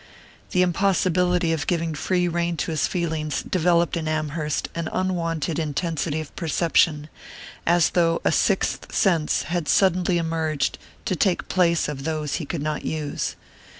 The impossibility of giving free rein to his feelings developed in Amherst an unwonted intensity of perception, as though a sixth sense had suddenly emerged to take the place of those he could not use.